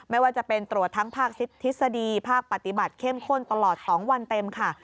ไม่ว่าจะเป็นตรวจทั้งภาคทฤษฎีภาคปฏิบัติเข้มข้นตลอด๒วันเต็มค่ะ